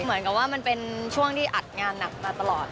เหมือนกับว่ามันเป็นช่วงที่อัดงานหนักมาตลอด